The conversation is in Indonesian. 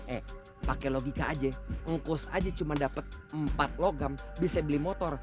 eh pakai logika aja ngukus aja cuma dapat empat logam bisa beli motor